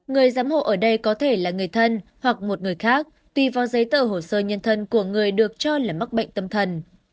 người giám hộ ở đây có thể là người thân hoặc một người khác tùy vào giấy tờ hồ sơ nhân thân của người được cho là mắc bệnh tâm thần